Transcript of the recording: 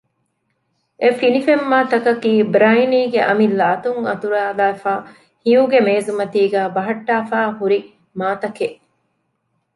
އެ ފިނިފެންމާތަކަކީ ބްރައިނީގެ އަމިއްލަ އަތުން އަތުރައިލައިފައި ހިޔުގެ މޭޒުމަތީގައި ބަހައްޓައިފައި ހުރި މާތަކެއް